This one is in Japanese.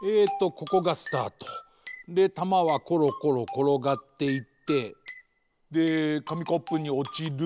ここがスタート。でたまはコロコロころがっていってでかみコップにおちる。